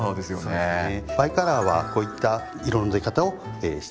そうですね。